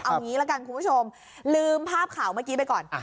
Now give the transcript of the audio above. เอางี้ละกันคุณผู้ชมลืมภาพข่าวเมื่อกี้ไปก่อน